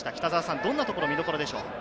どんなところ、見どころでしょう？